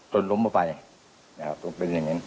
จนล้มมาไปเป็นอย่างนั้น